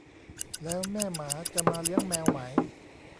แล้วแม่หมาจะมาเลี้ยงแมวไหม